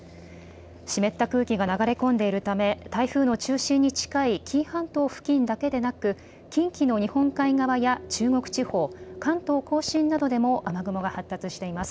湿った空気が流れ込んでいるため台風の中心に近い紀伊半島付近だけでなく近畿の日本海側や中国地方、関東甲信などでも雨雲が発達しています。